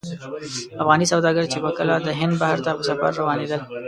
افغاني سوداګر چې به کله د هند بحر ته په سفر روانېدل.